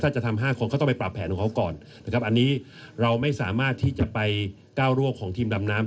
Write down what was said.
ถ้าจะทำ๕คนก็ต้องไปปรับแผนของเขาก่อนนะครับอันนี้เราไม่สามารถที่จะไปก้าวร่วงของทีมดำน้ำ